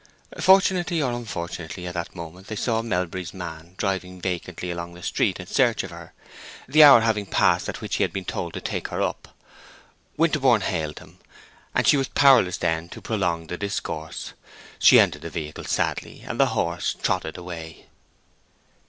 Fortunately, or unfortunately, at that moment they saw Melbury's man driving vacantly along the street in search of her, the hour having passed at which he had been told to take her up. Winterborne hailed him, and she was powerless then to prolong the discourse. She entered the vehicle sadly, and the horse trotted away.